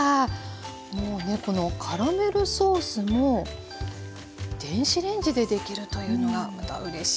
もうねこのカラメルソースも電子レンジでできるというのがまたうれしいんですけれども。